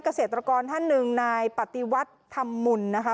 เกษตรกรท่านหนึ่งนายปฏิวัติธรรมมุนนะคะ